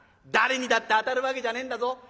誰にだって当たるわけじゃねえんだぞ。